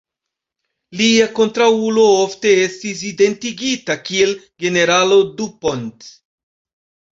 Lia kontraŭulo ofte estis identigita kiel generalo Dupont.